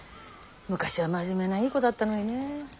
昔は真面目ないい子だったのにね。